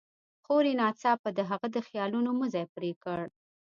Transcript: خور يې ناڅاپه د هغه د خيالونو مزی پرې کړ.